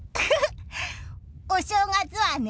お正月はね